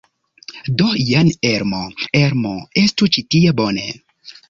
Do, jen Elmo. Elmo, estu ĉi tie! Bone.